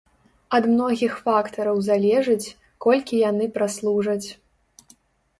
Ад многіх фактараў залежыць, колькі яны праслужаць.